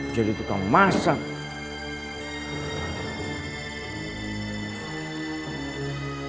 jadi tukang masak